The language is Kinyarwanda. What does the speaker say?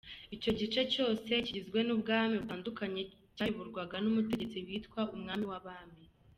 Icyo gice cyose kigizwe n’ubwami butandukanye cyayoborwaga n’umutegetsi witwa ‘Umwami w’Abami’.